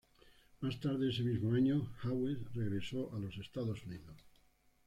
Más tarde ese mismo año, Hawes regresó a los Estados Unidos.